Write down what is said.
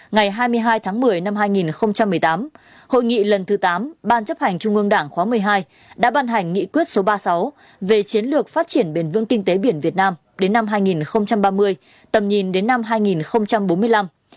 ngày hai mươi hai tháng một mươi năm hai nghìn một mươi tám hội nghị lần thứ tám ban chấp hành trung ương đảng khóa một mươi hai đã ban hành nghị quyết số ba mươi sáu về chiến lược phát triển bền vững kinh tế biển việt nam đến năm hai nghìn ba mươi tầm nhìn đến năm hai nghìn bốn mươi năm